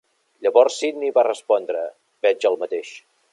Llavors Sidney va respondre: "Veig el mateix.